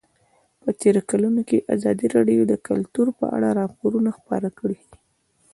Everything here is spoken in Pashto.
په تېرو کلونو کې ازادي راډیو د کلتور په اړه راپورونه خپاره کړي دي.